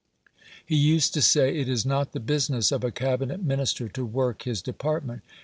He used to say, "It is not the business of a Cabinet Minister to work his department.